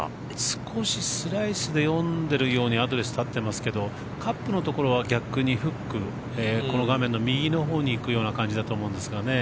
少しスライスで読んでるようにアドレス立ってますけどカップのところは逆にフックこの画面の右のほうに行くような感じだと思うんですがね。